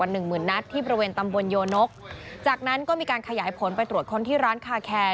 หนึ่งหมื่นนัดที่บริเวณตำบลโยนกจากนั้นก็มีการขยายผลไปตรวจค้นที่ร้านคาแคร์